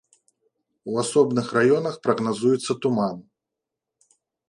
У асобных раёнах прагназуецца туман.